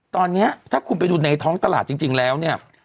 ตอนนี้ถ้าคุณไปดูในท้องตลาดจริงแล้วเนี่ย